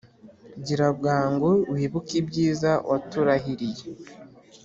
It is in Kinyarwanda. Gira bwangu, wibuke ibyiza waturahiriye,